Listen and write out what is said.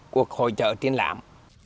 cuộc hỗ trợ tiến làm